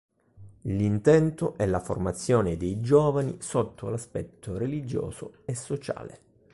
L'intento è la formazione dei giovani sotto l'aspetto religioso e sociale.